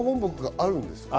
あるんです。